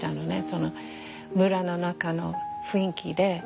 その村の中の雰囲気で。